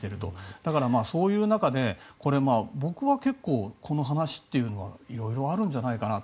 だから、そういう中で僕は結構この話というのは色々あるんじゃないかと。